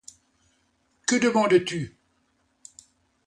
Que demandes-tu?